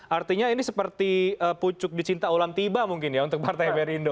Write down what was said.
artinya ini seperti pucuk di cinta ulang tiba mungkin ya untuk partai perindo